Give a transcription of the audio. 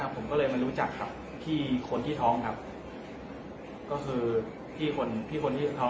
แล้วก็พอเล่ากับเขาก็คอยจับอย่างนี้ครับ